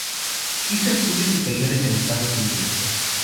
Hizo estudios superiores en Estados Unidos.